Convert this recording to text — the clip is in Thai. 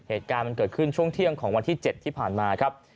เหตุการณ์มันเกิดขึ้นช่วงเที่ยงของวันที่๗ที่ผ่านมาครับ